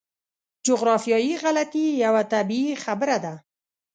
جغرافیایي غلطي یوه طبیعي خبره ده.